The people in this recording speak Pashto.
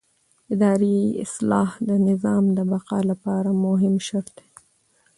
اداري اصلاح د نظام د بقا لپاره مهم شرط دی